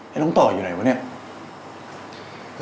น้องต่ออยู่ไหนวะเนี่ย